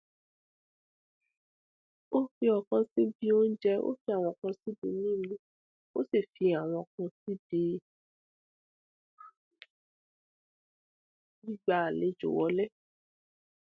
Experiments indicate that the transition is second-order, meaning there is no latent heat.